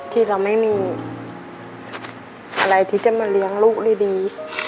ที่เราไม่มีอะไรที่จะมาเลี้ยงลูกดี